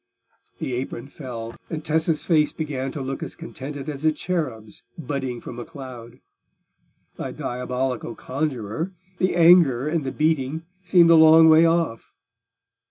The apron fell, and Tessa's face began to look as contented as a cherub's budding from a cloud. The diabolical conjuror, the anger and the beating, seemed a long way off.